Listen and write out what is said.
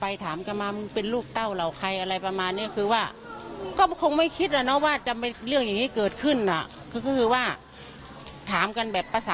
และบรรยายทฤษภาษีของทฤษภาษณียนต์ที่อยู่ในประเภทเลียนกลางอังกฤษ